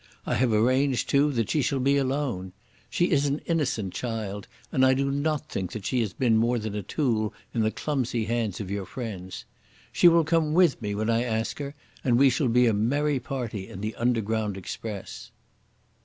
I have arranged, too, that she shall be alone. She is an innocent child, and I do not think that she has been more than a tool in the clumsy hands of your friends. She will come with me when I ask her, and we shall be a merry party in the Underground Express."